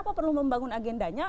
kenapa perlu membangun agendanya